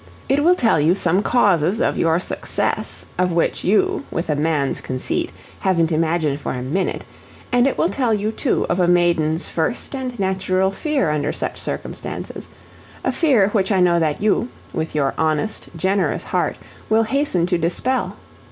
It will tell you some causes of your success of which you, with a man's conceit, haven't imagined for a minute, and it will tell you, too, of a maiden's first and natural fear under such circumstances, a fear which I know that you, with your honest, generous heart, will hasten to dispel.